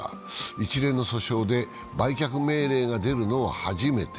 一連の訴訟で売却命令が出るのは初めて。